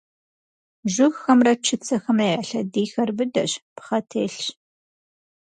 Жыгхэмрэ чыцэхэмрэ я лъэдийхэр быдэщ, пхъэ телъщ.